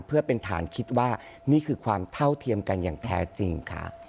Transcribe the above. เพื่อเป็นฐานคิดว่านี่คือความเท่าเทียมกันอย่างแท้จริงค่ะ